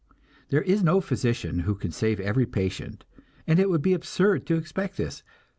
There is no physician who can save every patient, and it would be absurd to expect this.